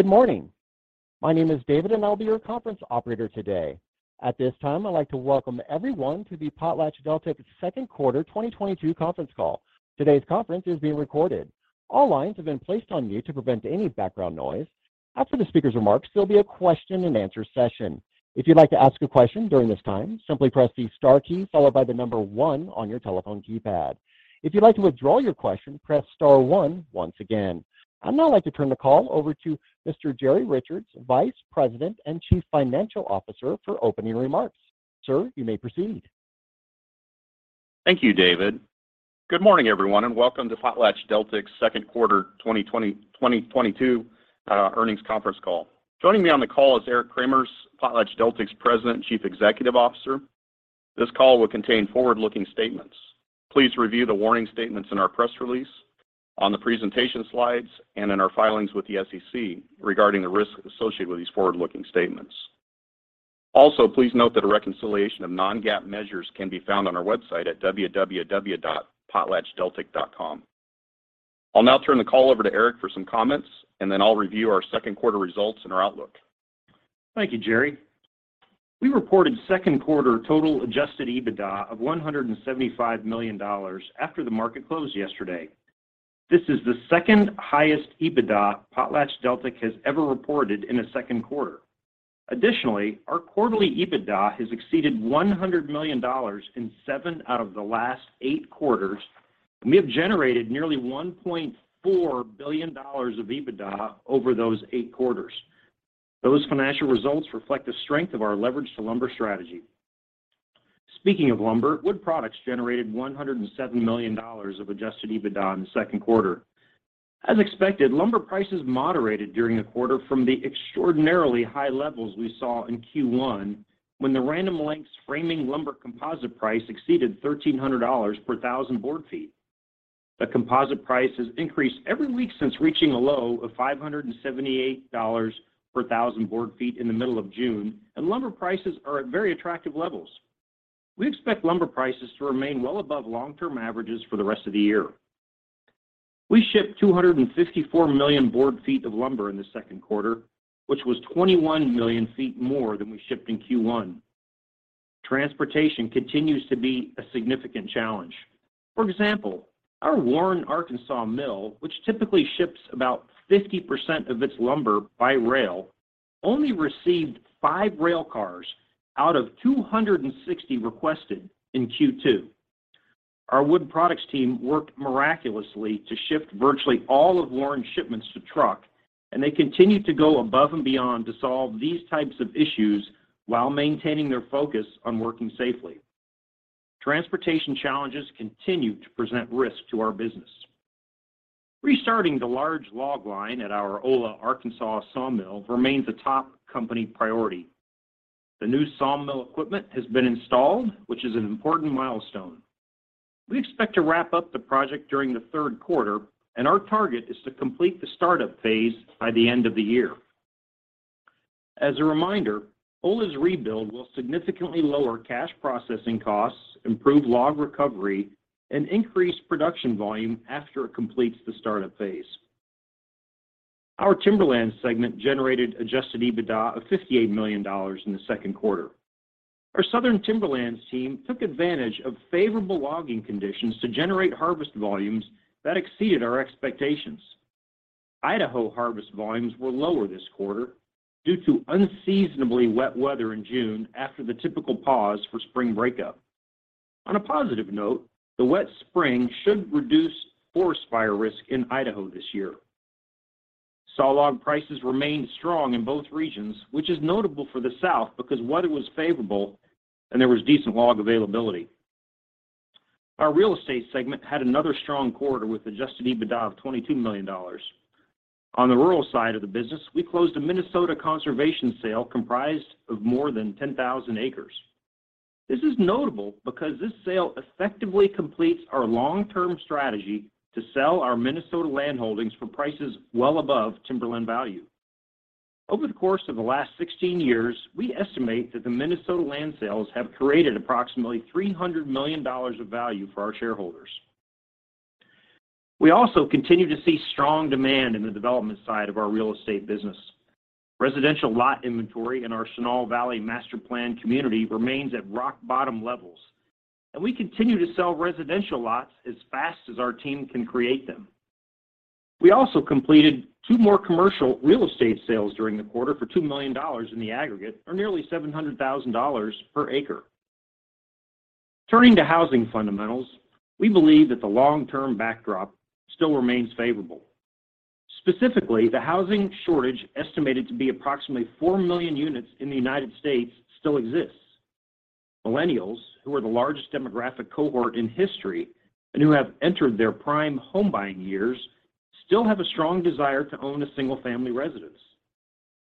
Good morning. My name is David and I'll be your conference operator today. At this time, I'd like to welcome everyone to the PotlatchDeltic second quarter 2022 conference call. Today's conference is being recorded. All lines have been placed on mute to prevent any background noise. After the speaker's remarks, there'll be a question-and-answer session. If you'd like to ask a question during this time, simply press the star key followed by the number one on your telephone keypad. If you'd like to withdraw your question, press star one once again. I'd now like to turn the call over to Mr. Jerry Richards, Vice President and Chief Financial Officer, for opening remarks. Sir, you may proceed. Thank you, David. Good morning, everyone, and welcome to PotlatchDeltic's second quarter 2022 earnings conference call. Joining me on the call is Eric Cremers, PotlatchDeltic's President and Chief Executive Officer. This call will contain forward-looking statements. Please review the warning statements in our press release, on the presentation slides, and in our filings with the SEC regarding the risks associated with these forward-looking statements. Also, please note that a reconciliation of non-GAAP measures can be found on our website at www.potlatchdeltic.com. I'll now turn the call over to Eric for some comments, and then I'll review our second quarter results and our outlook. Thank you, Jerry. We reported second quarter total adjusted EBITDA of $175 million after the market closed yesterday. This is the second-highest EBITDA PotlatchDeltic has ever reported in a second quarter. Additionally, our quarterly EBITDA has exceeded $100 million in seven out of the last eight quarters, and we have generated nearly $1.4 billion of EBITDA over those quarters. Those financial results reflect the strength of our Leverage to Lumber strategy. Speaking of lumber, wood products generated $107 million of adjusted EBITDA in the second quarter. As expected, lumber prices moderated during the quarter from the extraordinarily high levels we saw in Q1 when the Random Lengths framing lumber composite price exceeded $1,300 per thousand board feet. The composite price has increased every week since reaching a low of $578 per thousand board feet in the middle of June, and lumber prices are at very attractive levels. We expect lumber prices to remain well above long-term averages for the rest of the year. We shipped 254 million board feet of lumber in the second quarter, which was 21 million more than we shipped in Q1. Transportation continues to be a significant challenge. For example, our Warren, Arkansas mill, which typically ships about 50% of its lumber by rail, only received five rail cars out of 260 requested in Q2. Our Wood Products team worked miraculously to shift virtually all of Warren's shipments to truck, and they continue to go above and beyond to solve these types of issues while maintaining their focus on working safely. Transportation challenges continue to present risk to our business. Restarting the large log line at our Ola, Arkansas sawmill remains a top company priority. The new sawmill equipment has been installed, which is an important milestone. We expect to wrap up the project during the third quarter, and our target is to complete the startup phase by the end of the year. As a reminder, Ola's rebuild will significantly lower cash processing costs, improve log recovery, and increase production volume after it completes the startup phase. Our Timberlands segment generated adjusted EBITDA of $58 million in the second quarter. Our Southern Timberlands team took advantage of favorable logging conditions to generate harvest volumes that exceeded our expectations. Idaho harvest volumes were lower this quarter due to unseasonably wet weather in June after the typical pause for spring breakup. On a positive note, the wet spring should reduce forest fire risk in Idaho this year. Sawlog prices remained strong in both regions, which is notable for the South because weather was favorable and there was decent log availability. Our Real Estate segment had another strong quarter with adjusted EBITDA of $22 million. On the rural side of the business, we closed a Minnesota conservation sale comprised of more than 10,000 acres. This is notable because this sale effectively completes our long-term strategy to sell our Minnesota land holdings for prices well above timberland value. Over the course of the last 16 years, we estimate that the Minnesota land sales have created approximately $300 million of value for our shareholders. We also continue to see strong demand in the development side of our real estate business. Residential lot inventory in our Chenal Valley master-planned community remains at rock-bottom levels, and we continue to sell residential lots as fast as our team can create them. We also completed two more commercial real estate sales during the quarter for $2 million in the aggregate, or nearly $700,000 per acre. Turning to housing fundamentals, we believe that the long-term backdrop still remains favorable. Specifically, the housing shortage estimated to be approximately 4 million units in the United States still exists. Millennials, who are the largest demographic cohort in history and who have entered their prime home buying years, still have a strong desire to own a single-family residence.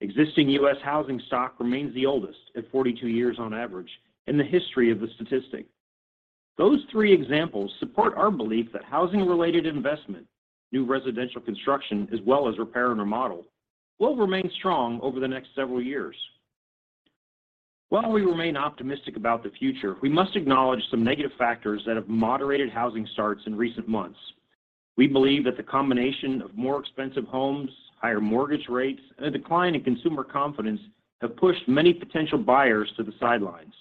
Existing U.S. housing stock remains the oldest, at 42 years on average, in the history of the statistic. Those three examples support our belief that housing-related investment, new residential construction as well as repair and remodel, will remain strong over the next several years. While we remain optimistic about the future, we must acknowledge some negative factors that have moderated housing starts in recent months. We believe that the combination of more expensive homes, higher mortgage rates, and a decline in consumer confidence have pushed many potential buyers to the sidelines.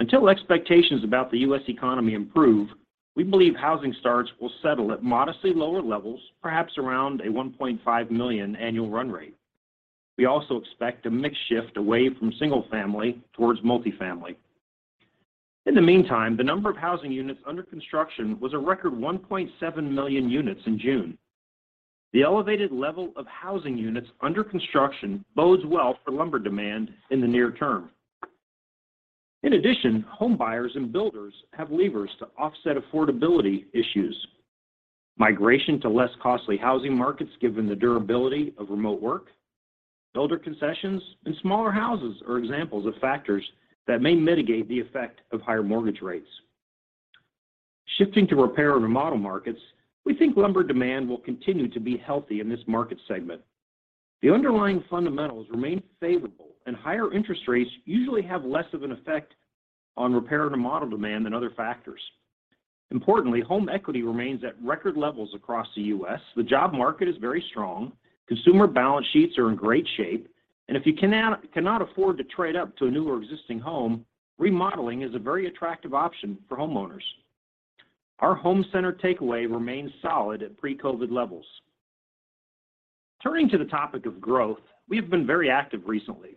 Until expectations about the U.S. economy improve, we believe housing starts will settle at modestly lower levels, perhaps around a 1.5 million annual run rate. We also expect a mix shift away from single-family towards multifamily. In the meantime, the number of housing units under construction was a record 1.7 million units in June. The elevated level of housing units under construction bodes well for lumber demand in the near term. In addition, home buyers and builders have levers to offset affordability issues. Migration to less costly housing markets, given the durability of remote work, builder concessions and smaller houses are examples of factors that may mitigate the effect of higher mortgage rates. Shifting to repair and remodel markets, we think lumber demand will continue to be healthy in this market segment. The underlying fundamentals remain favorable, and higher interest rates usually have less of an effect on repair and remodel demand than other factors. Importantly, home equity remains at record levels across the U.S. The job market is very strong, consumer balance sheets are in great shape, and if you cannot afford to trade up to a new or existing home, remodeling is a very attractive option for homeowners. Our home center takeaway remains solid at pre-COVID levels. Turning to the topic of growth, we have been very active recently.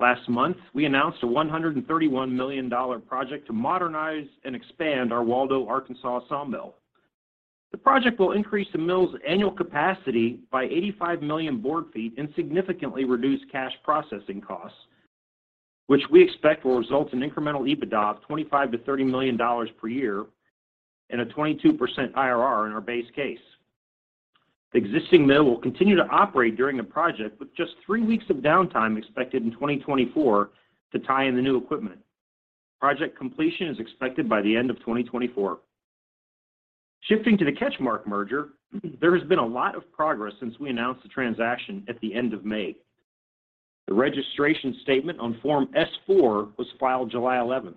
Last month, we announced a $131 million project to modernize and expand our Waldo, Arkansas sawmill. The project will increase the mill's annual capacity by 85 million board feet and significantly reduce cash processing costs, which we expect will result in incremental EBITDA of $25-$30 million per year and a 22% IRR in our base case. The existing mill will continue to operate during the project with just three weeks of downtime expected in 2024 to tie in the new equipment. Project completion is expected by the end of 2024. Shifting to the CatchMark merger, there has been a lot of progress since we announced the transaction at the end of May. The registration statement on Form S-4 was filed July 11.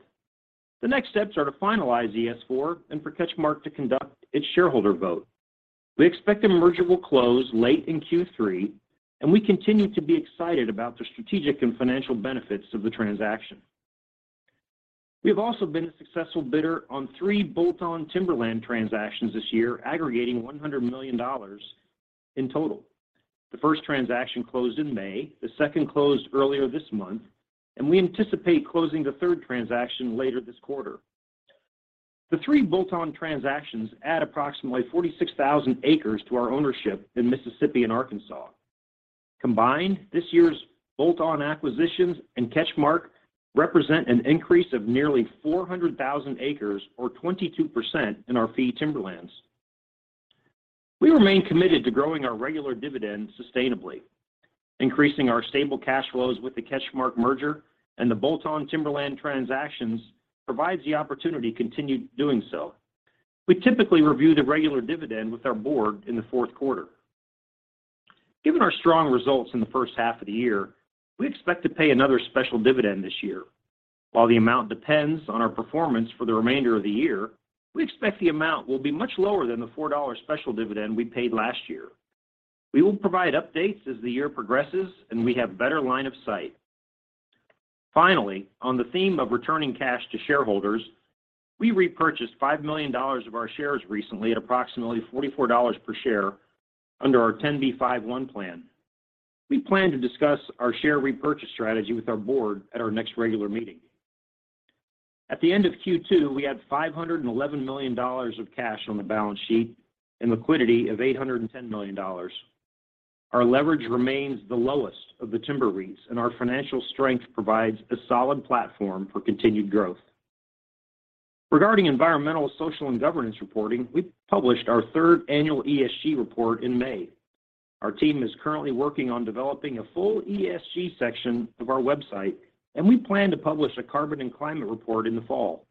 The next steps are to finalize the S-4 and for CatchMark to conduct its shareholder vote. We expect the merger will close late in Q3, and we continue to be excited about the strategic and financial benefits of the transaction. We have also been a successful bidder on three bolt-on timberland transactions this year, aggregating $100 million in total. The first transaction closed in May, the second closed earlier this month, and we anticipate closing the third transaction later this quarter. The three bolt-on transactions add approximately 46,000 acres to our ownership in Mississippi and Arkansas. Combined, this year's bolt-on acquisitions and CatchMark represent an increase of nearly 400,000 acres or 22% in our fee timberlands. We remain committed to growing our regular dividend sustainably, increasing our stable cash flows with the CatchMark merger and the bolt-on timberland transactions provides the opportunity to continue doing so. We typically review the regular dividend with our board in the fourth quarter. Given our strong results in the first half of the year, we expect to pay another special dividend this year. While the amount depends on our performance for the remainder of the year, we expect the amount will be much lower than the $4 special dividend we paid last year. We will provide updates as the year progresses, and we have better line of sight. Finally, on the theme of returning cash to shareholders, we repurchased $5 million of our shares recently at approximately $44 per share under our 10b5-1 plan. We plan to discuss our share repurchase strategy with our board at our next regular meeting. At the end of Q2, we had $511 million of cash on the balance sheet and liquidity of $810 million. Our leverage remains the lowest of the timber REITs, and our financial strength provides a solid platform for continued growth. Regarding environmental, social, and governance reporting, we published our third annual ESG report in May. Our team is currently working on developing a full ESG section of our website, and we plan to publish a carbon and climate report in the fall.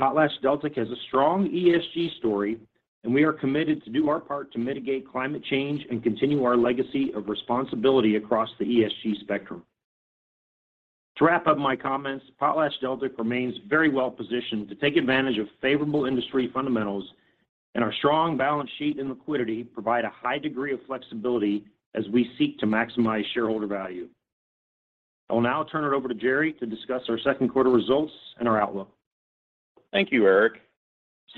PotlatchDeltic has a strong ESG story, and we are committed to do our part to mitigate climate change and continue our legacy of responsibility across the ESG spectrum. To wrap up my comments, PotlatchDeltic remains very well-positioned to take advantage of favorable industry fundamentals, and our strong balance sheet and liquidity provide a high degree of flexibility as we seek to maximize shareholder value. I will now turn it over to Jerry to discuss our second quarter results and our outlook. Thank you, Eric.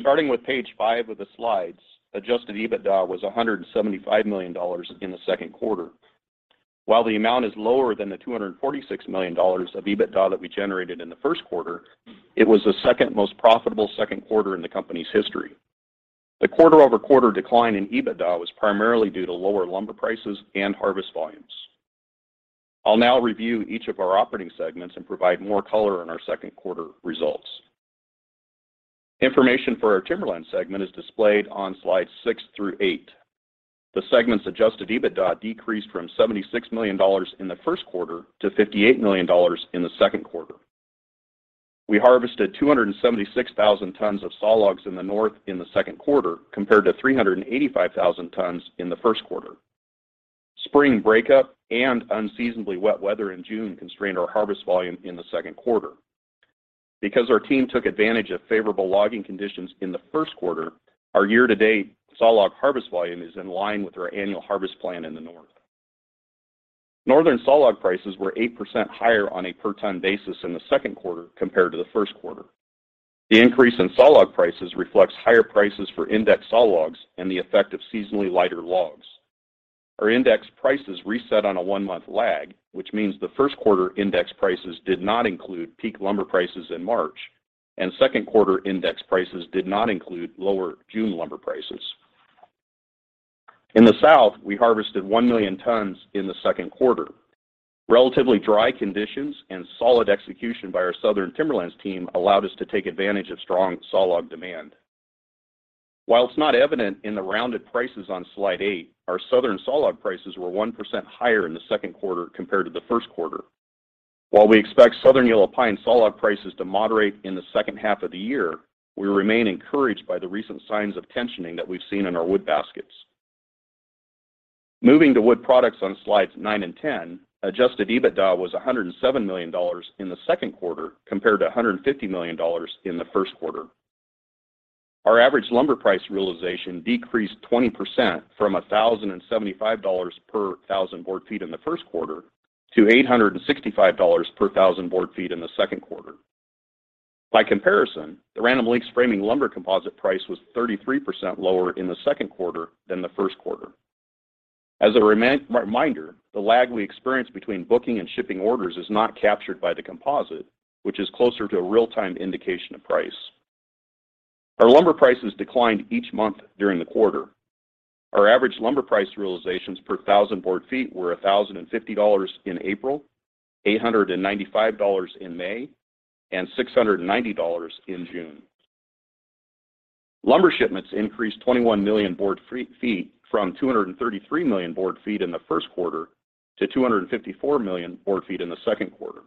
Starting with page five of the slides, adjusted EBITDA was $175 million in the second quarter. While the amount is lower than the $246 million of EBITDA that we generated in the first quarter, it was the second-most profitable second quarter in the company's history. The quarter-over-quarter decline in EBITDA was primarily due to lower lumber prices and harvest volumes. I'll now review each of our operating segments and provide more color on our second quarter results. Information for our timberland segment is displayed on slides six through eight. The segment's adjusted EBITDA decreased from $76 million in the first quarter to $58 million in the second quarter. We harvested 276,000 tons of sawlogs in the north in the second quarter compared to 385,000 tons in the first quarter. Spring breakup and unseasonably wet weather in June constrained our harvest volume in the second quarter. Because our team took advantage of favorable logging conditions in the first quarter, our year-to-date sawlog harvest volume is in line with our annual harvest plan in the north. Northern sawlog prices were 8% higher on a per ton basis in the second quarter compared to the first quarter. The increase in sawlog prices reflects higher prices for index sawlogs and the effect of seasonally lighter logs. Our index prices reset on a one-month lag, which means the first quarter index prices did not include peak lumber prices in March, and second quarter index prices did not include lower June lumber prices. In the south, we harvested 1 million tons in the second quarter. Relatively dry conditions and solid execution by our Southern Timberlands team allowed us to take advantage of strong sawlog demand. While it's not evident in the rounded prices on slide eight, our southern sawlog prices were 1% higher in the second quarter compared to the first quarter. While we expect Southern Yellow Pine sawlog prices to moderate in the second half of the year, we remain encouraged by the recent signs of tensioning that we've seen in our wood baskets. Moving to wood products on slides nine and ten, adjusted EBITDA was $107 million in the second quarter compared to $150 million in the first quarter. Our average lumber price realization decreased 20% from $1,075 per thousand board feet in the first quarter to $865 per thousand board feet in the second quarter. By comparison, the Random Lengths framing lumber composite price was 33% lower in the second quarter than the first quarter. As a reminder, the lag we experience between booking and shipping orders is not captured by the composite, which is closer to a real-time indication of price. Our lumber prices declined each month during the quarter. Our average lumber price realizations per thousand board feet were $1,050 in April, $895 in May, and $690 in June. Lumber shipments increased 21 million board feet from 233 million board feet in the first quarter to 254 million board feet in the second quarter.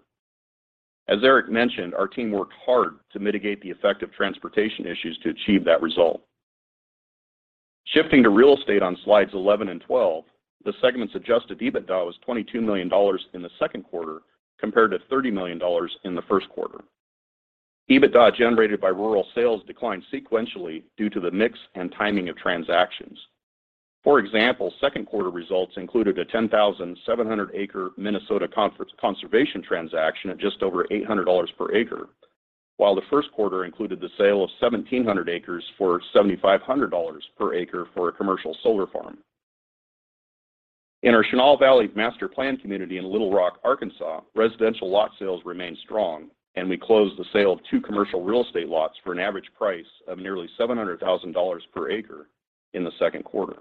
As Eric mentioned, our team worked hard to mitigate the effect of transportation issues to achieve that result. Shifting to real estate on slides 11 and 12, the segment's adjusted EBITDA was $22 million in the second quarter compared to $30 million in the first quarter. EBITDA generated by rural sales declined sequentially due to the mix and timing of transactions. For example, second quarter results included a 10,700-acre Minnesota conservation transaction at just over $800 per acre, while the first quarter included the sale of 1,700 acres for $7,500 per acre for a commercial solar farm. In our Chenal Valley master plan community in Little Rock, Arkansas, residential lot sales remained strong, and we closed the sale of two commercial real estate lots for an average price of nearly $700,000 per acre in the second quarter.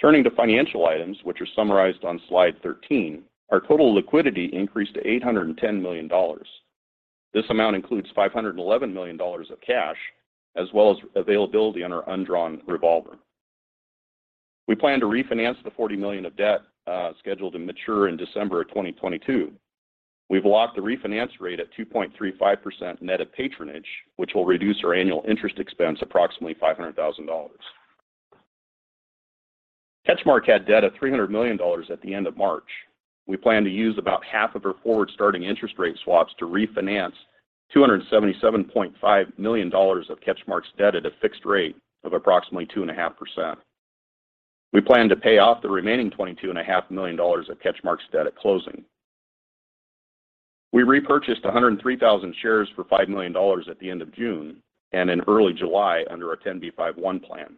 Turning to financial items, which are summarized on slide 13, our total liquidity increased to $810 million. This amount includes $511 million of cash as well as availability on our undrawn revolver. We plan to refinance the $40 million of debt scheduled to mature in December 2022. We've locked the refinance rate at 2.35% net of patronage, which will reduce our annual interest expense approximately $500,000. CatchMark had debt of $300 million at the end of March. We plan to use about half of our forward starting interest rate swaps to refinance $277.5 million of CatchMark's debt at a fixed rate of approximately 2.5%. We plan to pay off the remaining $22.5 million of CatchMark's debt at closing. We repurchased 103,000 shares for $5 million at the end of June and in early July under our 10b5-1 plan.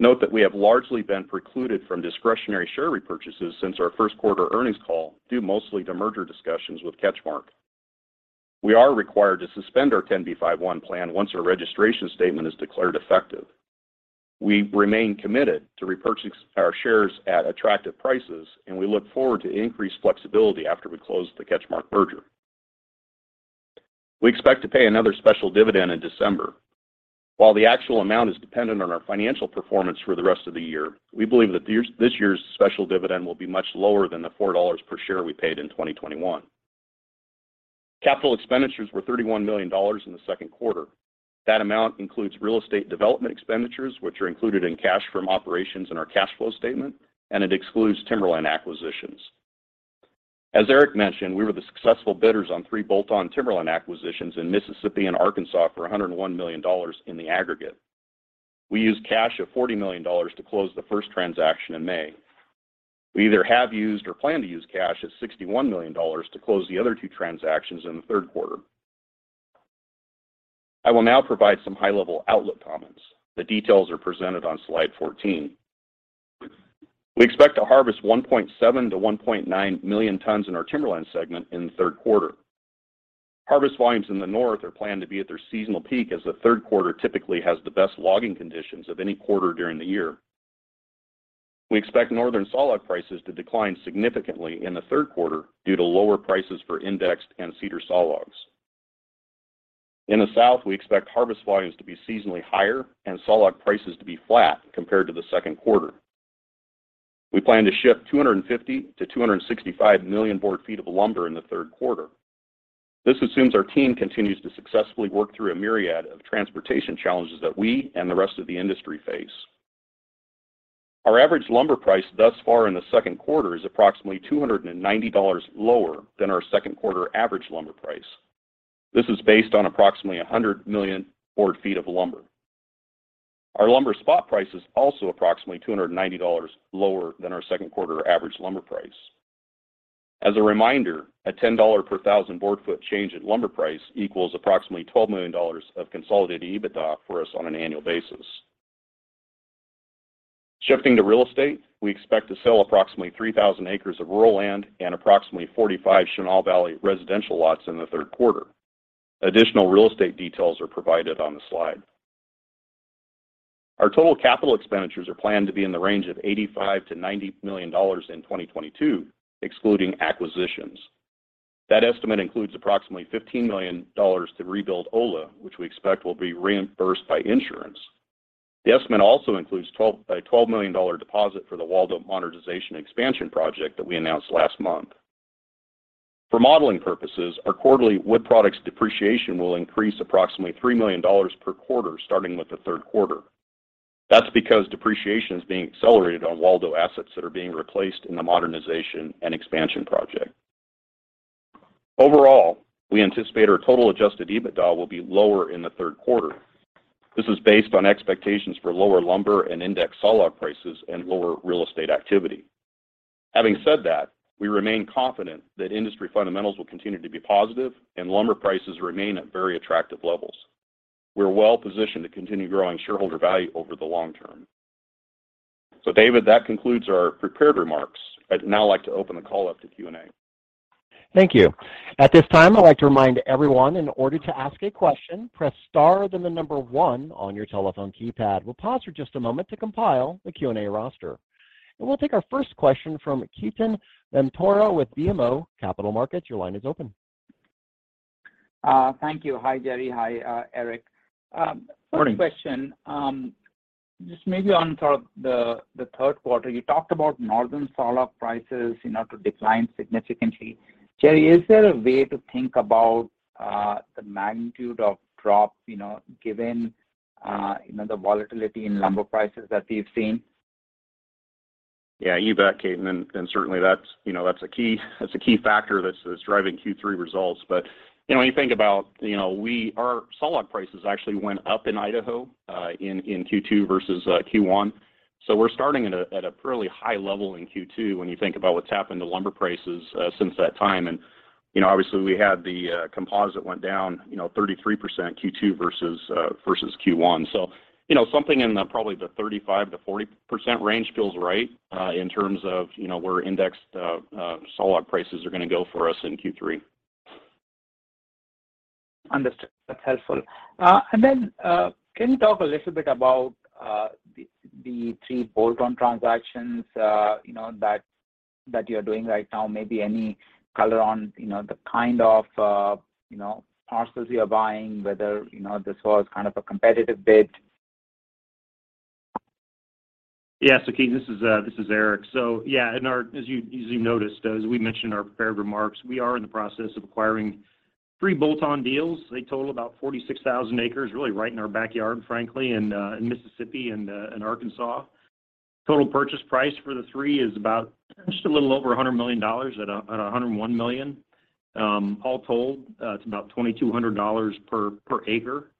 Note that we have largely been precluded from discretionary share repurchases since our first quarter earnings call, due mostly to merger discussions with CatchMark. We are required to suspend our 10b5-1 plan once our registration statement is declared effective. We remain committed to repurchase our shares at attractive prices, and we look forward to increased flexibility after we close the CatchMark merger. We expect to pay another special dividend in December. While the actual amount is dependent on our financial performance for the rest of the year, we believe that this year's special dividend will be much lower than the $4 per share we paid in 2021. Capital expenditures were $31 million in the second quarter. That amount includes real estate development expenditures, which are included in cash from operations in our cash flow statement, and it excludes timberland acquisitions. As Eric mentioned, we were the successful bidders on three bolt-on timberland acquisitions in Mississippi and Arkansas for $101 million in the aggregate. We used cash of $40 million to close the first transaction in May. We either have used or plan to use cash of $61 million to close the other two transactions in the third quarter. I will now provide some high-level outlook comments. The details are presented on slide 14. We expect to harvest 1.7-1.9 million tons in our timberlands segment in the third quarter. Harvest volumes in the north are planned to be at their seasonal peak as the third quarter typically has the best logging conditions of any quarter during the year. We expect northern sawlog prices to decline significantly in the third quarter due to lower prices for indexed and cedar sawlogs. In the South, we expect harvest volumes to be seasonally higher and sawlog prices to be flat compared to the second quarter. We plan to ship 250-265 million board feet of lumber in the third quarter. This assumes our team continues to successfully work through a myriad of transportation challenges that we and the rest of the industry face. Our average lumber price thus far in the second quarter is approximately $290 lower than our second quarter average lumber price. This is based on approximately 100 million board feet of lumber. Our lumber spot price is also approximately $290 lower than our second quarter average lumber price. As a reminder, a $10 per thousand board feet change in lumber price equals approximately $12 million of consolidated EBITDA for us on an annual basis. Shifting to real estate, we expect to sell approximately 3,000 acres of rural land and approximately 45 Chenal Valley residential lots in the third quarter. Additional real estate details are provided on the slide. Our total capital expenditures are planned to be in the range of $85 million-$90 million in 2022, excluding acquisitions. That estimate includes approximately $15 million to rebuild Ola, which we expect will be reimbursed by insurance. The estimate also includes a $12 million deposit for the Waldo Modernization Expansion project that we announced last month. For modeling purposes, our quarterly wood products depreciation will increase approximately $3 million per quarter, starting with the third quarter. That's because depreciation is being accelerated on Waldo assets that are being replaced in the Modernization and Expansion project. Overall, we anticipate our total adjusted EBITDA will be lower in the third quarter. This is based on expectations for lower lumber and index sawlog prices and lower real estate activity. Having said that, we remain confident that industry fundamentals will continue to be positive and lumber prices remain at very attractive levels. We're well-positioned to continue growing shareholder value over the long term. David, that concludes our prepared remarks. I'd now like to open the call up to Q&A. Thank you. At this time, I'd like to remind everyone, in order to ask a question, press star, then the number one on your telephone keypad. We'll pause for just a moment to compile the Q&A roster. We'll take our first question from Ketan Mamtora with BMO Capital Markets. Your line is open. Thank you. Hi, Jerry. Hi, Eric. Morning First question, just maybe on the third quarter, you talked about Northern sawlog prices, you know, to decline significantly. Jerry, is there a way to think about the magnitude of drop, you know, given the volatility in lumber prices that we've seen? Yeah, you bet, Ketan. Certainly that's a key factor that's driving Q3 results. You know, when you think about, you know, our sawlog prices actually went up in Idaho in Q2 versus Q1. We're starting at a fairly high level in Q2 when you think about what's happened to lumber prices since that time. You know, obviously, we had the composite went down 33% Q2 versus Q1. You know, something in the probably 35%-40% range feels right in terms of, you know, where indexed sawlog prices are gonna go for us in Q3. Understood. That's helpful. Can you talk a little bit about the three bolt-on transactions you know that you're doing right now, maybe any color on you know the kind of you know parcels you're buying, whether you know this was kind of a competitive bid? Yeah. Ketan, this is Eric. As you noticed, as we mentioned on our prepared remarks, we are in the process of acquiring 3 bolt-on deals. They total about 46,000 acres, really right in our backyard, frankly, in Mississippi and in Arkansas. Total purchase price for the three is about just a little over $100 million at $101 million. All told, it's about $2,200 per acre.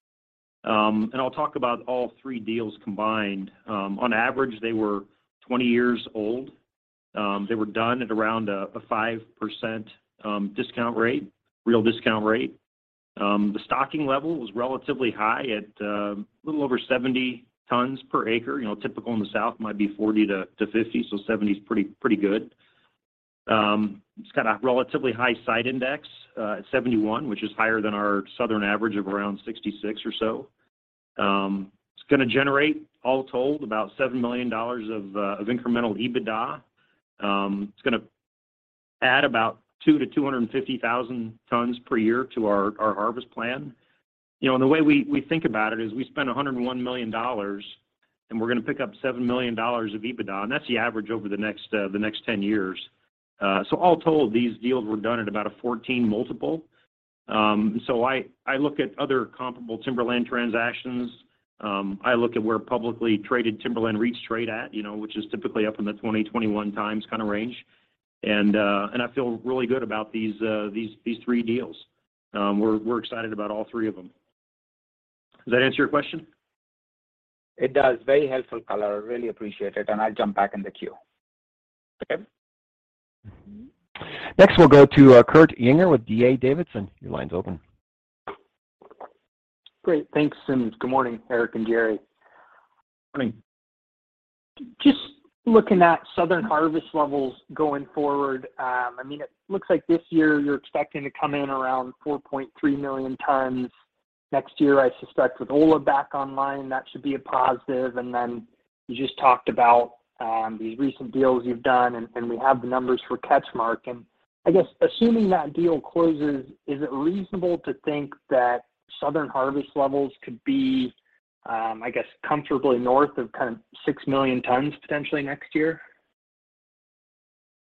I'll talk about all three deals combined. On average, they were 20 years old. They were done at around a 5% discount rate, real discount rate. The stocking level was relatively high at a little over 70 tons per acre. You know, typical in the South might be 40-50, so 70 is pretty good. It's got a relatively high site index at 71, which is higher than our Southern average of around 66 or so. It's gonna generate, all told, about $7 million of incremental EBITDA. It's gonna add about 2-250,000 tons per year to our harvest plan. You know, the way we think about it is we spent $101 million, and we're gonna pick up $7 million of EBITDA, and that's the average over the next 10 years. All told, these deals were done at about a 14x multiple. I look at other comparable timberland transactions. I look at where publicly traded timberland REITs trade at, you know, which is typically up in the 20-21 times kinda range. I feel really good about these three deals. We're excited about all three of them. Does that answer your question? It does. Very helpful color. Really appreciate it, and I'll jump back in the queue. Okay. Next, we'll go to Kurt Yinger with D.A. Davidson. Your line's open. Great. Thanks, and Good morning, Eric and Jerry. Morning. Just looking at Southern harvest levels going forward, I mean, it looks like this year you're expecting to come in around 4.3 million tons. Next year, I suspect with Ola back online, that should be a positive. You just talked about these recent deals you've done and we have the numbers for CatchMark. I guess assuming that deal closes, is it reasonable to think that Southern harvest levels could be, I guess comfortably north of kind of 6 million tons potentially next year?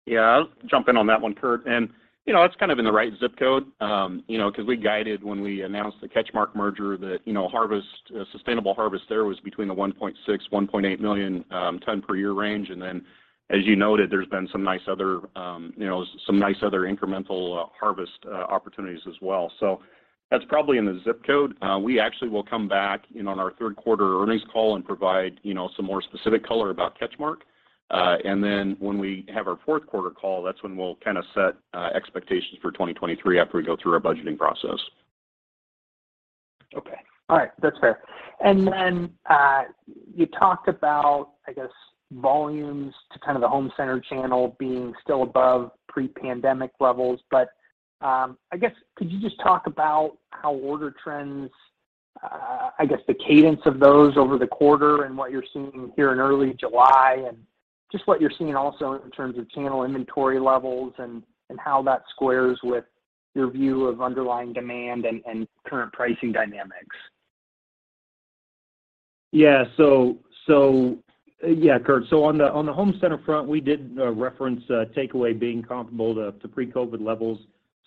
Yeah. I'll jump in on that one, Kurt. You know, that's kind of in the right zip code. You know, 'cause we guided when we announced the CatchMark merger that, you know, harvest, sustainable harvest there was between the 1.6-1.8 million ton per year range. Then as you noted, there's been some nice other incremental harvest opportunities as well. That's probably in the zip code. We actually will come back, you know, on our third quarter earnings call and provide, you know, some more specific color about CatchMark. When we have our fourth quarter call, that's when we'll kinda set expectations for 2023 after we go through our budgeting process. Okay. All right. That's fair. You talked about, I guess, volumes to kind of the home center channel being still above pre-pandemic levels, but, I guess could you just talk about how order trends, I guess the cadence of those over the quarter and what you're seeing here in early July, and just what you're seeing also in terms of channel inventory levels, and how that squares with your view of underlying demand and current pricing dynamics? Kurt, on the home center front, we did reference a takeaway being comparable to pre-COVID levels.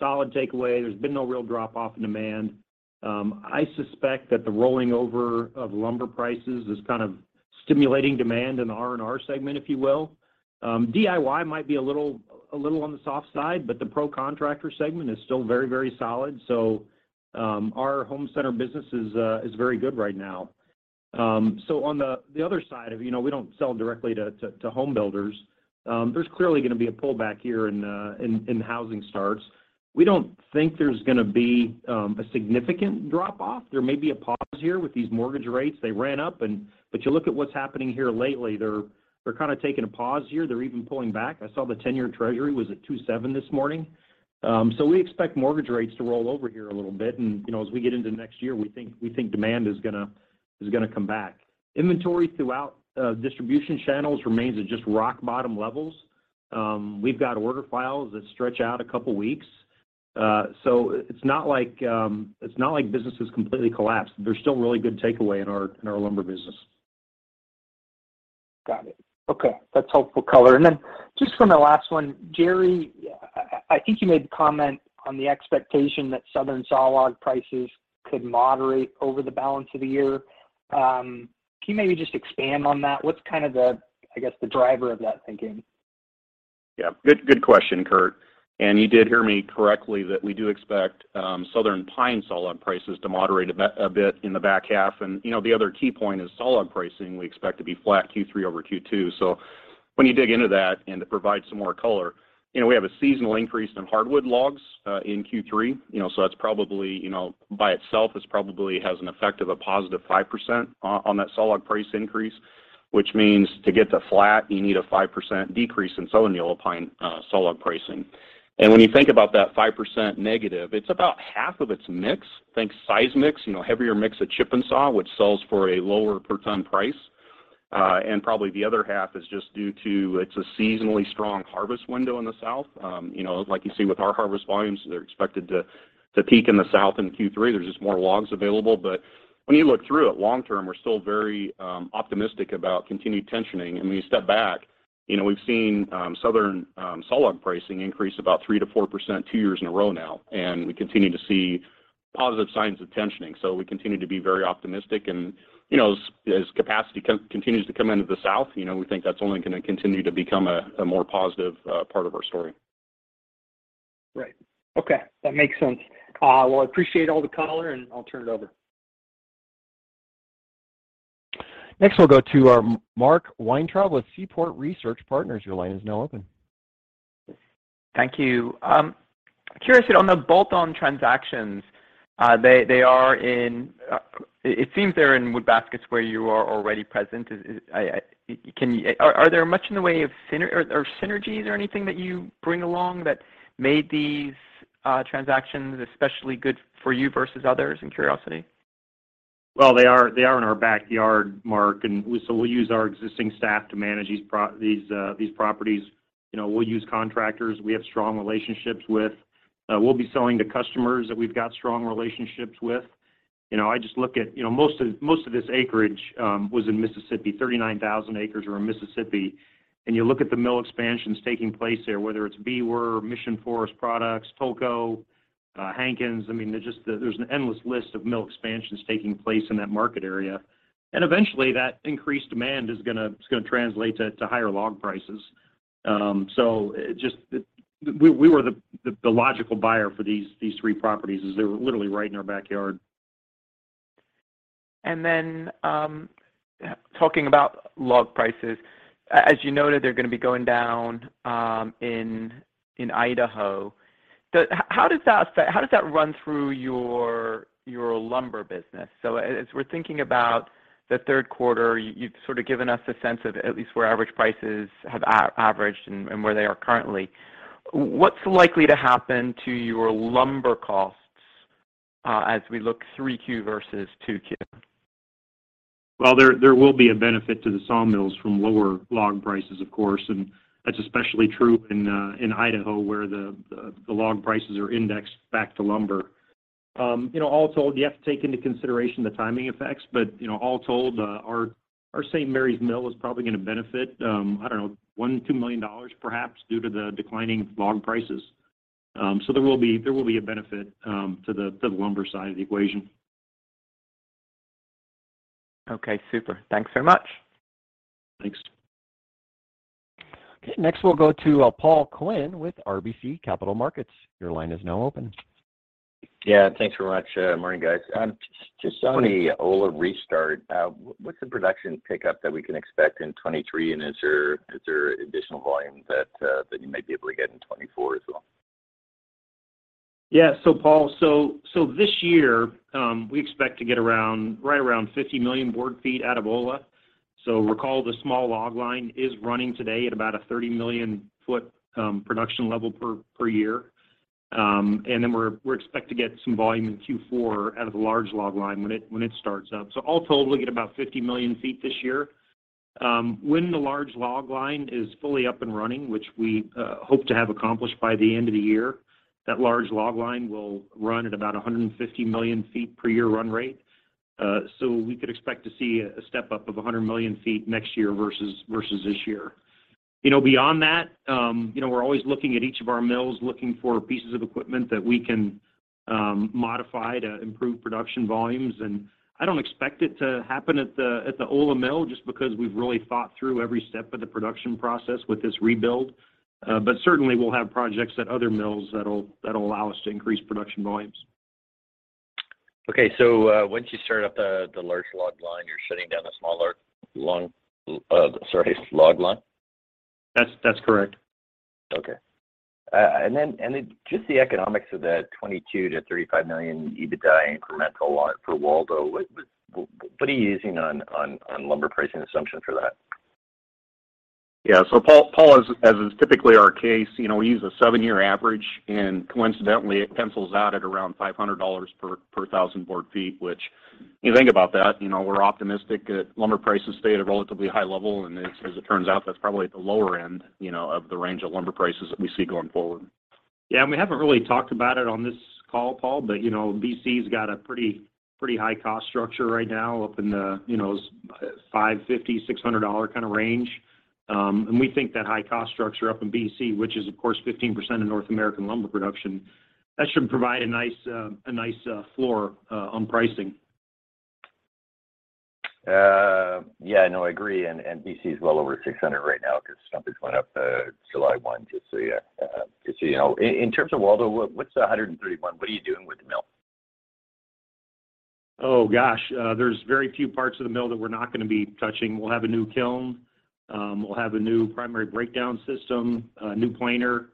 Solid takeaway. There's been no real drop-off in demand. I suspect that the rolling over of lumber prices is kind of stimulating demand in the R&R segment, if you will. DIY might be a little on the soft side, but the pro contractor segment is still very solid. Our home center business is very good right now. On the other side, we don't sell directly to home builders. There's clearly gonna be a pullback here in housing starts. We don't think there's gonna be a significant drop-off. There may be a pause here with these mortgage rates. You look at what's happening here lately, they're kinda taking a pause here. They're even pulling back. I saw the 10-year Treasury was at 2.7% this morning. We expect mortgage rates to roll over here a little bit. You know, as we get into next year, we think demand is gonna come back. Inventory throughout distribution channels remains at just rock bottom levels. We've got order files that stretch out a couple weeks. It's not like business has completely collapsed. There's still really good takeaway in our lumber business. Got it. Okay. That's helpful color. Just for my last one, Jerry, I think you made the comment on the expectation that southern sawlog prices could moderate over the balance of the year. Can you maybe just expand on that? What's kind of the, I guess, the driver of that thinking? Yeah. Good question, Kurt, and you did hear me correctly that we do expect southern pine sawlog prices to moderate a bit in the back half. You know, the other key point is sawlog pricing we expect to be flat Q3 over Q2. When you dig into that and to provide some more color, you know, we have a seasonal increase in hardwood logs in Q3. You know, that's probably, you know, by itself, this probably has an effect of a positive 5% on that sawlog price increase, which means to get to flat, you need a 5% decrease in southern yellow pine sawlog pricing. When you think about that 5% negative, it's about half of its mix. Think size mix, you know, heavier mix of chip-n-saw, which sells for a lower per ton price. Probably the other half is just due to it's a seasonally strong harvest window in the south. You know, like you see with our harvest volumes, they're expected to peak in the south in Q3. There's just more logs available. But when you look through it, long term, we're still very optimistic about continued tensioning. When you step back, you know, we've seen southern sawlog pricing increase about 3%-4% two years in a row now, and we continue to see positive signs of tensioning. We continue to be very optimistic. You know, as capacity continues to come into the south, you know, we think that's only gonna continue to become a more positive part of our story. Right. Okay. That makes sense. Well, I appreciate all the color, and I'll turn it over. Next, we'll go to Mark Weintraub with Seaport Research Partners. Your line is now open. Thank you. Curious on the bolt-on transactions, it seems they're in wood baskets where you are already present. Are there much in the way of synergies or anything that you bring along that made these transactions especially good for you versus others out of curiosity? Well, they are in our backyard, Mark, so we'll use our existing staff to manage these properties. You know, we'll use contractors we have strong relationships with. We'll be selling to customers that we've got strong relationships with. You know, I just look at, you know, most of this acreage was in Mississippi. 39,000 acres are in Mississippi. You look at the mill expansions taking place there, whether it's Weyerhaeuser, Mission Forest Products, Tolko, Hankins. I mean, there's an endless list of mill expansions taking place in that market area. Eventually, that increased demand is gonna translate to higher log prices. We were the logical buyer for these three properties as they were literally right in our backyard. Talking about log prices, as you noted, they're gonna be going down in Idaho. How does that run through your lumber business? As we're thinking about the third quarter, you've sort of given us a sense of at least where average prices have averaged and where they are currently. What's likely to happen to your lumber costs? As we look 3Q versus 2Q. Well, there will be a benefit to the sawmills from lower log prices, of course, and that's especially true in Idaho, where the log prices are indexed back to lumber. You know, all told, you have to take into consideration the timing effects, but, you know, all told, our St. Maries mill is probably gonna benefit, I don't know, $1 million-$2 million perhaps due to the declining log prices. There will be a benefit to the lumber side of the equation. Okay. Super. Thanks very much. Thanks. Okay. Next we'll go to Paul Quinn with RBC Capital Markets. Your line is now open. Yeah, thanks very much. Morning, guys. Just on the Ola restart, what's the production pickup that we can expect in 2023, and is there additional volume that you might be able to get in 2024 as well? Yeah. Paul, this year, we expect to get around right around 50 million board feet out of Ola. Recall the small log line is running today at about a 30 million ft production level per year. We expect to get some volume in Q4 out of the large log line when it starts up. All told, we'll get about 50 million ft this year. When the large log line is fully up and running, which we hope to have accomplished by the end of the year, that large log line will run at about a 150 million ft per year run rate. We could expect to see a step up of a 100 million ft next year versus this year. You know, beyond that, you know, we're always looking at each of our mills, looking for pieces of equipment that we can modify to improve production volumes. I don't expect it to happen at the Ola mill just because we've really thought through every step of the production process with this rebuild. Certainly we'll have projects at other mills that'll allow us to increase production volumes. Once you start up the large log line, you're shutting down the small log line? That's correct. Okay. Just the economics of that $22 million-$35 million EBITDA incremental on it for Waldo. What are you using on lumber pricing assumption for that? Yeah. Paul, as is typically our case, you know, we use a seven-year average, and coincidentally it pencils out at around $500 per thousand board feet, which you think about that, you know, we're optimistic that lumber prices stay at a relatively high level, and as it turns out, that's probably at the lower end, you know, of the range of lumber prices that we see going forward. Yeah, we haven't really talked about it on this call, Paul, but you know, BC's got a pretty high cost structure right now up in the, you know, $550-$600 kind of range. We think that high cost structure up in BC, which is of course 15% of North American lumber production, that should provide a nice floor on pricing. Yeah, no, I agree. BC is well over 600 right now because stumpage went up July 1, just so you know. In terms of Waldo, what's the 131? What are you doing with the mill? There's very few parts of the mill that we're not gonna be touching. We'll have a new kiln. We'll have a new primary breakdown system, a new planer.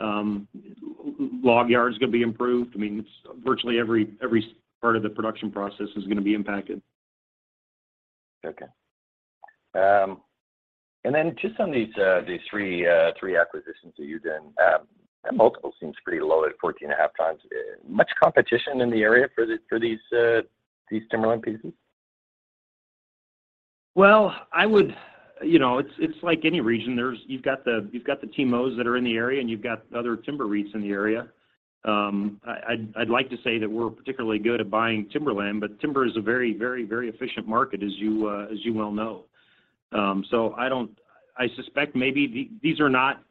Log yard's gonna be improved. I mean, it's virtually every part of the production process is gonna be impacted. Okay. Just on these three acquisitions that you've done, that multiple seems pretty low at 14.5x. Much competition in the area for these timberland pieces? Well, you know, it's like any region. You've got the TIMOs that are in the area, and you've got other timber REITs in the area. I'd like to say that we're particularly good at buying timberland, but timber is a very efficient market as you well know. I suspect maybe these are not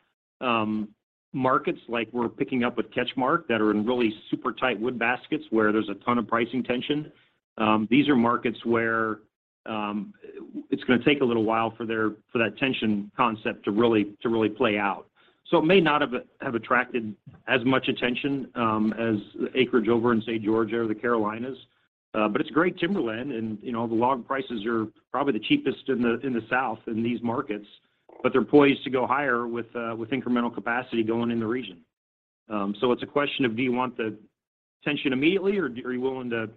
markets like we're picking up with CatchMark that are in really super tight wood baskets where there's a ton of pricing tension. These are markets where it's gonna take a little while for that tension concept to really play out. It may not have attracted as much attention as the acreage over in, say, Georgia or the Carolinas. It's great timberland and, you know, the log prices are probably the cheapest in the South in these markets, but they're poised to go higher with incremental capacity going in the region. It's a question of do you want the tension immediately or are you willing to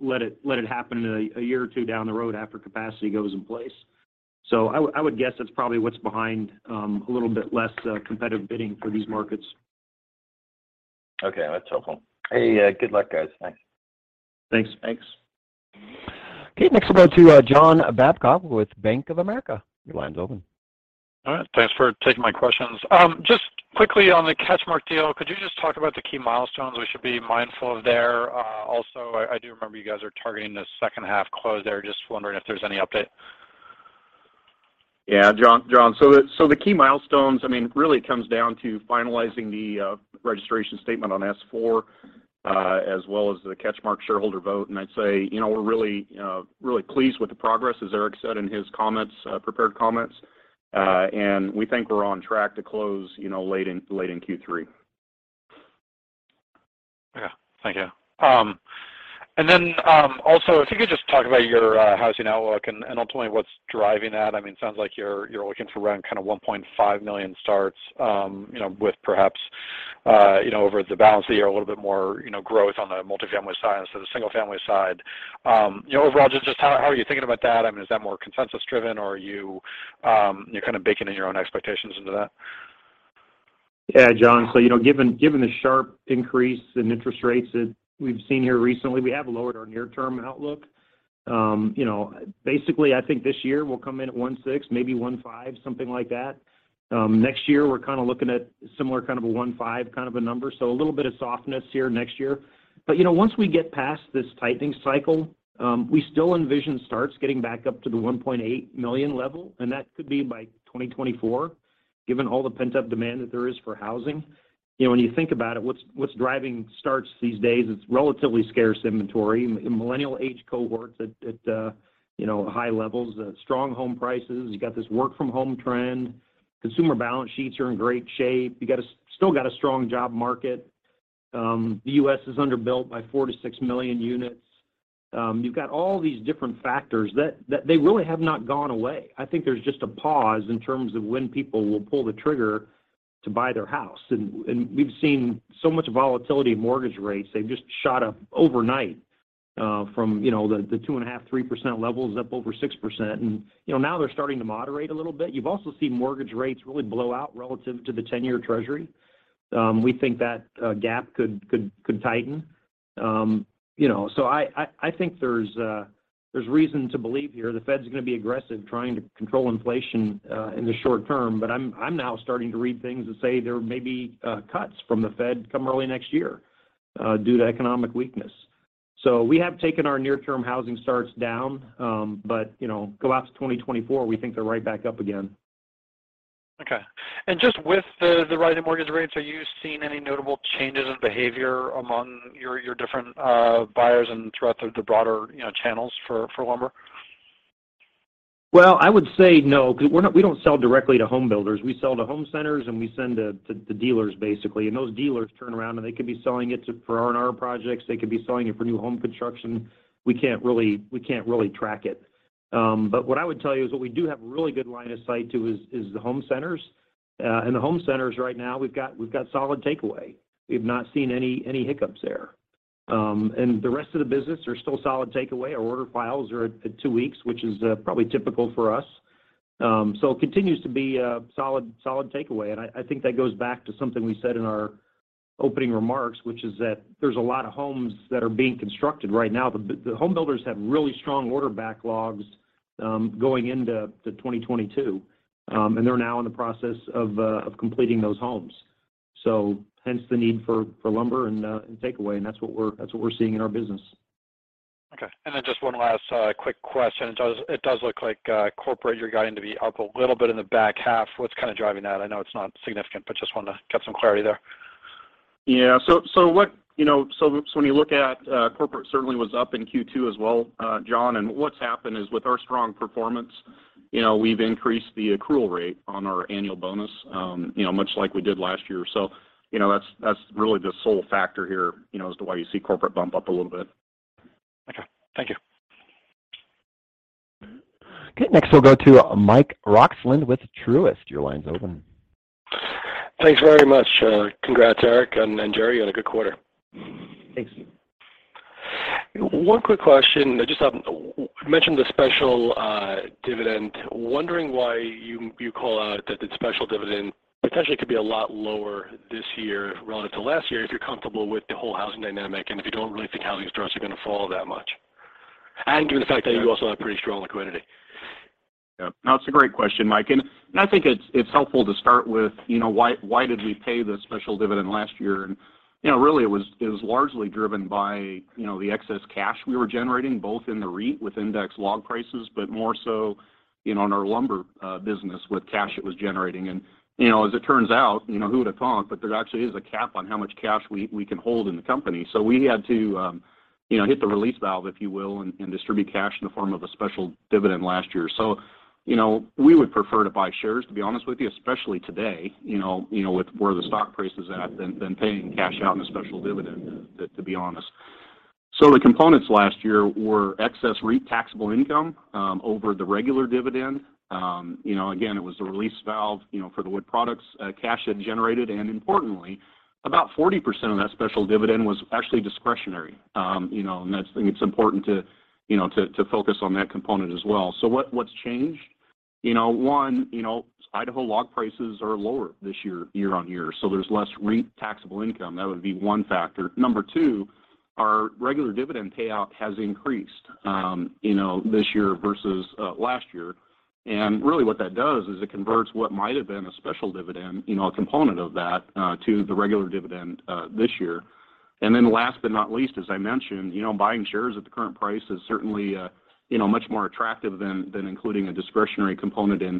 let it happen a year or two down the road after capacity goes in place. I would guess that's probably what's behind a little bit less competitive bidding for these markets. Okay. That's helpful. Hey, good luck, guys. Thanks. Thanks. Okay. Next we'll go to John Babcock with Bank of America. Your line's open. All right. Thanks for taking my questions. Just quickly on the CatchMark deal, could you just talk about the key milestones we should be mindful of there? Also I do remember you guys are targeting the second half close there. Just wondering if there's any update. Yeah. John, so the key milestones, I mean, really it comes down to finalizing the registration statement on S-4, as well as the CatchMark shareholder vote. I'd say, you know, we're really pleased with the progress, as Eric said in his prepared comments. We think we're on track to close, you know, late in Q3. Okay. Thank you. Also if you could just talk about your housing outlook and ultimately what's driving that. I mean, it sounds like you're looking to run kind of 1.5 million starts, you know, with perhaps, you know, over the balance of the year, a little bit more, you know, growth on the multifamily side instead of single family side. You know, overall just how are you thinking about that? I mean, is that more consensus driven or are you know, kind of baking in your own expectations into that? Yeah, John. You know, given the sharp increase in interest rates that we've seen here recently, we have lowered our near-term outlook. You know, basically, I think this year we'll come in at 1.6, maybe 1.5, something like that. Next year we're kind of looking at similar kind of a 1.5 kind of a number, so a little bit of softness here next year. You know, once we get past this tightening cycle, we still envision starts getting back up to the 1.8 million level, and that could be by 2024, given all the pent-up demand that there is for housing. You know, when you think about it, what's driving starts these days is relatively scarce inventory and millennial age cohorts at high levels, strong home prices. You got this work from home trend. Consumer balance sheets are in great shape. You still got a strong job market. The U.S. is underbuilt by 4-6 million units. You've got all these different factors that they really have not gone away. I think there's just a pause in terms of when people will pull the trigger to buy their house. We've seen so much volatility in mortgage rates, they've just shot up overnight from you know the 2.5-3% levels up over 6%. Now they're starting to moderate a little bit. You've also seen mortgage rates really blow out relative to the 10-year Treasury. We think that gap could tighten. You know, I think there's reason to believe here the Fed's gonna be aggressive trying to control inflation in the short term, but I'm now starting to read things that say there may be cuts from the Fed come early next year due to economic weakness. We have taken our near-term housing starts down, but you know, go out to 2024, we think they're right back up again. Okay. Just with the rise in mortgage rates, are you seeing any notable changes in behavior among your different buyers and throughout the broader, you know, channels for lumber? Well, I would say no, 'cause we don't sell directly to home builders. We sell to home centers, and we send to the dealers basically. And those dealers turn around and they could be selling it for R&R projects. They could be selling it for new home construction. We can't really track it. But what I would tell you is what we do have really good line of sight to is the home centers. And the home centers right now we've got solid takeaway. We've not seen any hiccups there. And the rest of the business are still solid takeaway. Our order files are at two weeks, which is probably typical for us. It continues to be a solid takeaway, and I think that goes back to something we said in our opening remarks, which is that there's a lot of homes that are being constructed right now. The home builders have really strong order backlogs going into 2022, and they're now in the process of completing those homes. Hence the need for lumber and takeaway, and that's what we're seeing in our business. Okay. Just one last quick question. It does look like corporate you're guiding to be up a little bit in the back half. What's kind of driving that? I know it's not significant, but just wanted to get some clarity there. You know, so when you look at corporate certainly was up in Q2 as well, John, and what's happened is with our strong performance, you know, we've increased the accrual rate on our annual bonus, you know, much like we did last year. You know, that's really the sole factor here, you know, as to why you see corporate bump up a little bit. Okay. Thank you. Okay. Next we'll go to Mike Roxland with Truist. Your line's open. Thanks very much. Congrats, Eric and Jerry on a good quarter. Thank you. One quick question. Just mentioned the special dividend. Wondering why you call out that the special dividend potentially could be a lot lower this year relative to last year if you're comfortable with the whole housing dynamic, and if you don't really think housing starts are gonna fall that much, given the fact that you also have pretty strong liquidity? Yeah. No, it's a great question, Mike. I think it's helpful to start with, you know, why did we pay the special dividend last year? You know, really it was largely driven by, you know, the excess cash we were generating, both in the REIT with indexed log prices, but more so, you know, in our lumber business with the cash it was generating. You know, as it turns out, you know, who would've thought? But there actually is a cap on how much cash we can hold in the company. So we had to, you know, hit the release valve, if you will, and distribute cash in the form of a special dividend last year. You know, we would prefer to buy shares, to be honest with you, especially today, you know, with where the stock price is at than paying cash out in a special dividend, to be honest. The components last year were excess REIT taxable income over the regular dividend. You know, again, it was the release valve, you know, for the wood products cash it generated. Importantly, about 40% of that special dividend was actually discretionary. You know, and that's important to focus on that component as well. What's changed? You know, one, you know, Idaho log prices are lower this year-over-year, so there's less REIT taxable income. That would be one factor. Number two, our regular dividend payout has increased, you know, this year versus last year. Really what that does is it converts what might have been a special dividend, you know, a component of that, to the regular dividend, this year. Last but not least, as I mentioned, you know, buying shares at the current price is certainly, you know, much more attractive than including a discretionary component in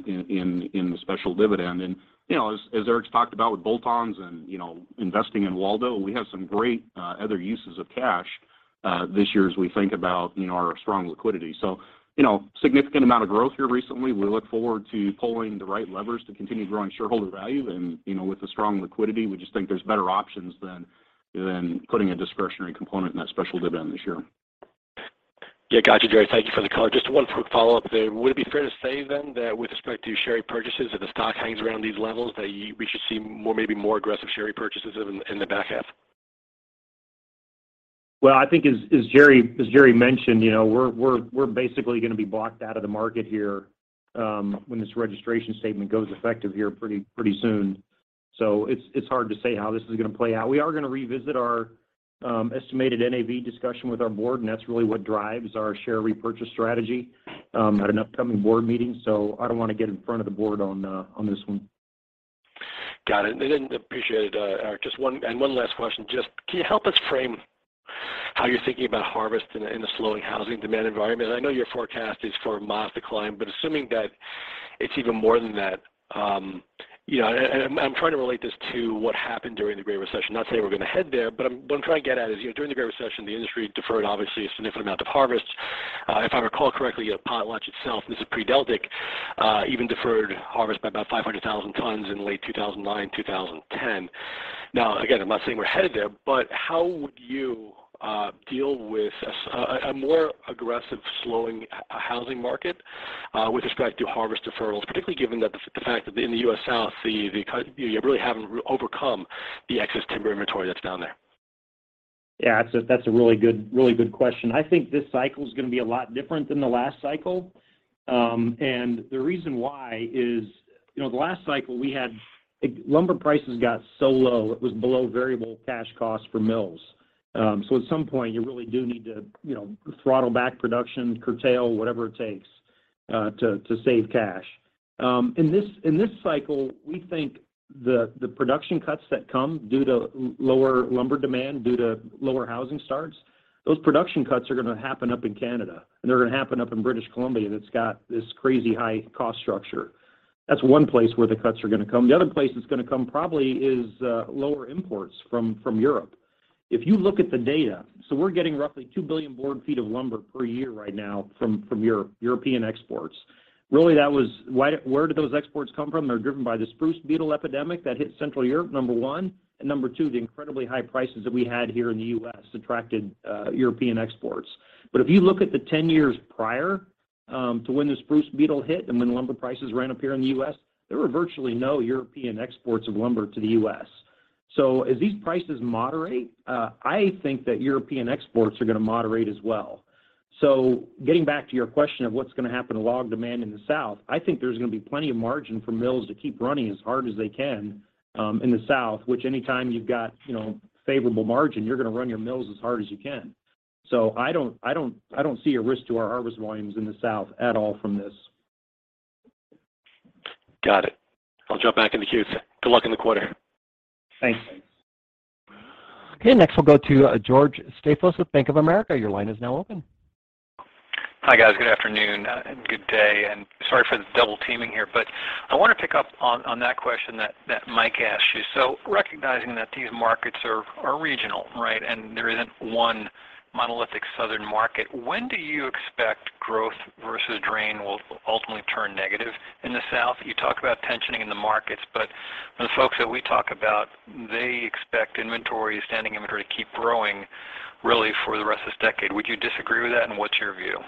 the special dividend. You know, as Eric's talked about with bolt-ons and, you know, investing in Waldo, we have some great, other uses of cash, this year as we think about, you know, our strong liquidity. You know, significant amount of growth here recently. We look forward to pulling the right levers to continue growing shareholder value. You know, with the strong liquidity, we just think there's better options than putting a discretionary component in that special dividend this year. Yeah. Got you, Jerry. Thank you for the color. Just one quick follow-up there. Would it be fair to say then that with respect to share purchases, if the stock hangs around these levels, that we should see more, maybe more aggressive share purchases in the back half? Well, I think as Jerry mentioned, you know, we're basically gonna be blocked out of the market here when this registration statement goes effective here pretty soon. It's hard to say how this is gonna play out. We are gonna revisit our estimated NAV discussion with our board, and that's really what drives our share repurchase strategy at an upcoming board meeting. I don't wanna get in front of the board on this one. Got it. I appreciate it, just one last question. Can you help us frame how you're thinking about harvest in a slowing housing demand environment? I know your forecast is for a mild decline, but assuming that it's even more than that, you know, and I'm trying to relate this to what happened during the Great Recession. Not saying we're gonna head there, but what I'm trying to get at is, you know, during the Great Recession, the industry deferred obviously a significant amount of harvest. If I recall correctly, you know, Potlatch itself, and this is pre-Deltic, even deferred harvest by about 500,000 tons in late 2009, 2010. Now, again, I'm not saying we're headed there, but how would you deal with a more aggressive slowing housing market with respect to harvest deferrals, particularly given that the fact that in the U.S. South, you know, you really haven't overcome the excess timber inventory that's down there. Yeah, that's a really good question. I think this cycle's gonna be a lot different than the last cycle. The reason why is, you know, the last cycle we had. Like lumber prices got so low it was below variable cash costs for mills. At some point you really do need to, you know, throttle back production, curtail, whatever it takes, to save cash. In this cycle, we think the production cuts that come due to lower lumber demand, due to lower housing starts, those production cuts are gonna happen up in Canada, and they're gonna happen up in British Columbia that's got this crazy high cost structure. That's one place where the cuts are gonna come. The other place it's gonna come probably is lower imports from Europe. If you look at the data, we're getting roughly 2 billion board feet of lumber per year right now from European exports. Really, where did those exports come from? They're driven by the spruce beetle epidemic that hit Central Europe, number one, and number two, the incredibly high prices that we had here in the U.S. attracted European exports. If you look at the 10 years prior to when the spruce beetle hit and when lumber prices ran up here in the U.S., there were virtually no European exports of lumber to the U.S. As these prices moderate, I think that European exports are gonna moderate as well. Getting back to your question of what's gonna happen to log demand in the South, I think there's gonna be plenty of margin for mills to keep running as hard as they can, in the South. Which anytime you've got, you know, favorable margin, you're gonna run your mills as hard as they can. I don't see a risk to our harvest volumes in the South at all from this. Got it. I'll jump back in the queue. Good luck in the quarter. Thanks. Okay, next we'll go to George Staphos with Bank of America. Your line is now open. Hi, guys. Good afternoon and good day, and sorry for the double teaming here, but I wanna pick up on that question that Mike asked you. Recognizing that these markets are regional, right, and there isn't one monolithic Southern market, when do you expect growth-to-drain will ultimately turn negative in the South? You talk about tension in the markets, but the folks that we talk about, they expect inventory, standing inventory to keep growing really for the rest of this decade. Would you disagree with that, and what's your view?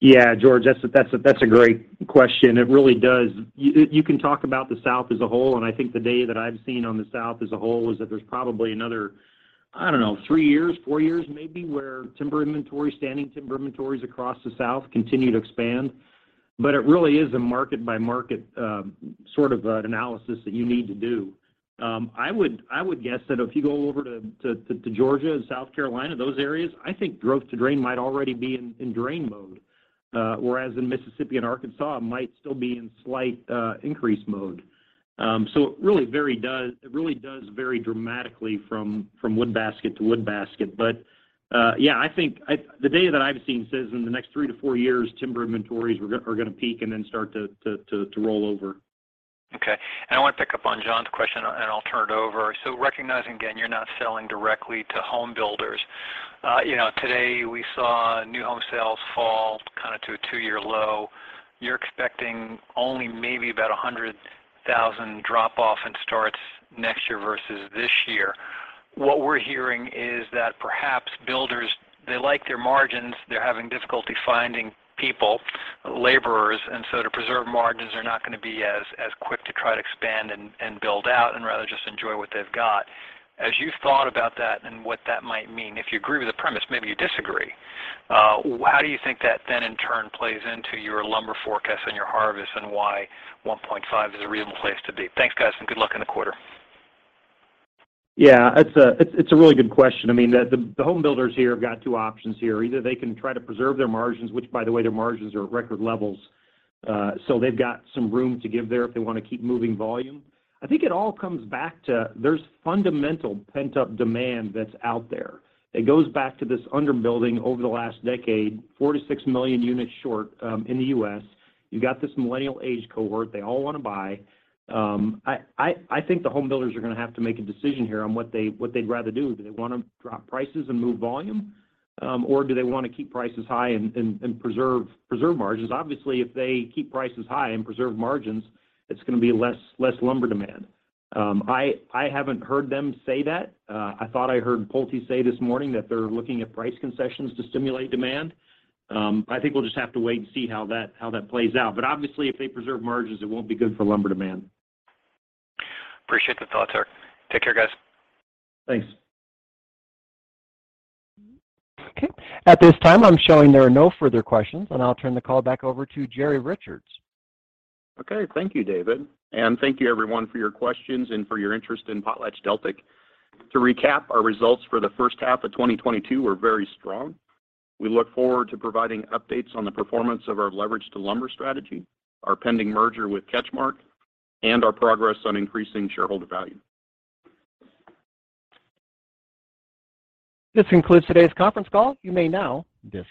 Yeah, George, that's a great question. It really does. You can talk about the South as a whole, and I think the data that I've seen on the South as a whole is that there's probably another, I don't know, three years, four years maybe where timber inventory, standing timber inventories across the South continue to expand, but it really is a market by market sort of an analysis that you need to do. I would guess that if you go over to Georgia and South Carolina, those areas, I think growth to drain might already be in drain mode. Whereas in Mississippi and Arkansas it might still be in slight increase mode. It really does vary dramatically from wood basket to wood basket. Yeah, I think. The data that I've seen says in the next three-four years timber inventories are gonna peak and then start to roll over. Okay. I wanna pick up on John's question, and I'll turn it over. Recognizing again you're not selling directly to home builders, you know, today we saw new home sales fall kind of to a two-year low. You're expecting only maybe about a 100,000 drop-off in starts next year versus this year. What we're hearing is that perhaps builders, they like their margins, they're having difficulty finding people, laborers, and so to preserve margins they're not gonna be as quick to try to expand and build out and rather just enjoy what they've got. As you've thought about that and what that might mean, if you agree with the premise, maybe you disagree, how do you think that then in turn plays into your lumber forecast and your harvest and why 1.5 is a reasonable place to be? Thanks, guys, and good luck in the quarter. Yeah, it's a really good question. I mean, the home builders here have got two options here. Either they can try to preserve their margins, which by the way their margins are at record levels, so they've got some room to give there if they wanna keep moving volume. I think it all comes back to there's fundamental pent-up demand that's out there. It goes back to this under-building over the last decade, 4-6 million units short, in the U.S. You've got this millennial age cohort, they all wanna buy. I think the home builders are gonna have to make a decision here on what they'd rather do. Do they wanna drop prices and move volume, or do they wanna keep prices high and preserve margins? Obviously, if they keep prices high and preserve margins, it's gonna be less lumber demand. I haven't heard them say that. I thought I heard Pulte say this morning that they're looking at price concessions to stimulate demand. I think we'll just have to wait and see how that plays out. Obviously if they preserve margins it won't be good for lumber demand. Appreciate the thought, sir. Take care, guys. Thanks. Okay. At this time I'm showing there are no further questions, and I'll turn the call back over to Jerry Richards. Okay. Thank you, David. Thank you everyone for your questions and for your interest in PotlatchDeltic. To recap, our results for the first half of 2022 were very strong. We look forward to providing updates on the performance of our Leverage to Lumber strategy, our pending merger with CatchMark, and our progress on increasing shareholder value. This concludes today's conference call. You may now disconnect.